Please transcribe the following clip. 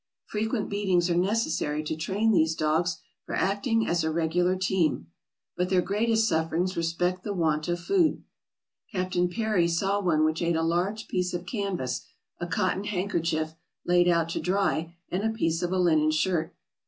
Frequent beatings are necessary to train these dogs for acting as a regular team. But their greatest sufferings respect the want of food. Captain Parry saw one which ate a large piece of canvas, a cotton handkerchief, laid out to dry, and a piece of a linen shirt.